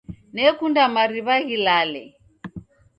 Nekunda mariw'a ghilale.